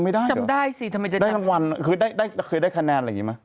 เฮ้ยจำไม่ได้เหรอได้ทั้งวันคือเคยได้คะแนนอะไรอย่างนี้มั้ย